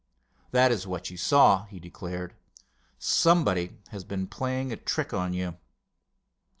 "That is what you saw," he declared. "Somebody has been playing a trick on you."